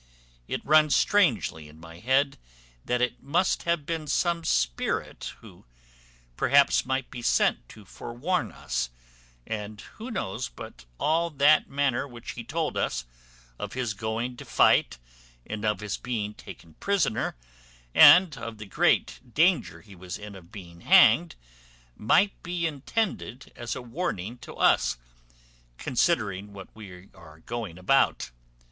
It runs strangely in my head that it must have been some spirit, who, perhaps, might be sent to forewarn us: and who knows but all that matter which he told us, of his going to fight, and of his being taken prisoner, and of the great danger he was in of being hanged, might be intended as a warning to us, considering what we are going about?